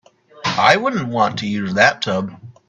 I wouldn't want to use that tub.